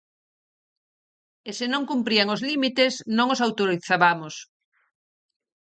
E se non cumprían os límites, non os autorizabamos.